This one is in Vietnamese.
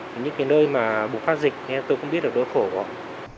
những cái nơi mà bùng phát dịch tôi cũng biết là đối khổ của họ